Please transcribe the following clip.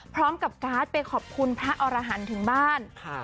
พร้อมกับการ์ดไปขอบคุณพระอรหันต์ถึงบ้าน